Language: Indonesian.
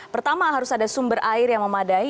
pertama harus ada sumber air yang memadai